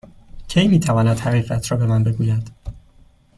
کی می تواند حقیقت را به من بگوید؟